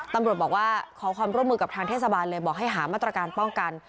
ตำรวจบอกว่าขอความร่วมมือกับทางเทศบาลเลยบอกให้หามาตรการป้องกัน